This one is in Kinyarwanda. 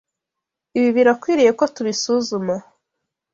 Ibi birakwiye ko tubisuzuma.